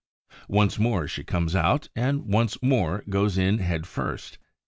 Once more she comes out and once more goes in headfirst.